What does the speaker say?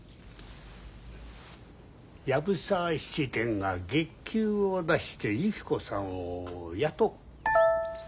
藪沢質店が月給を出してゆき子さんを雇う。